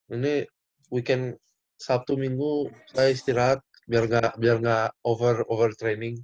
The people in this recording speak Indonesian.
ini weekend sabtu minggu saya istirahat biar nggak over overtraining